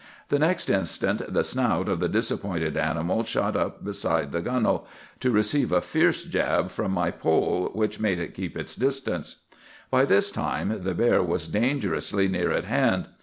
"The next instant the snout of the disappointed animal shot up beside the gunwale, to receive a fierce jab from my pole, which made it keep its distance. "By this time the bear was dangerously near at hand.